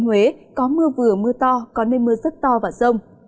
huế có mưa vừa mưa to có nơi mưa rất to và rông